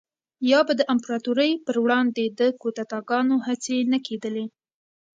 یا به د امپراتورۍ پروړاندې د کودتاګانو هڅې نه کېدلې